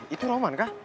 itu roman kah